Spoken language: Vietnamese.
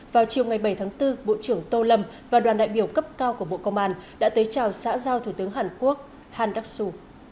vào chiều ngày bảy tháng bốn bộ trưởng tô lâm và đoàn đại biểu cấp cao của bộ công an đã tới chào xã giao thủ tướng hàn quốc handasu